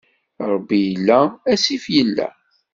Ṛebbi illa, asif illa.